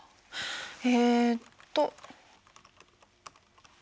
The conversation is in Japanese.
えっと。